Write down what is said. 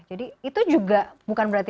jadi itu juga bukan berarti